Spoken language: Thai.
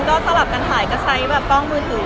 ก็สลับกันถ่ายก็ใช้แบบกล้องมือถือ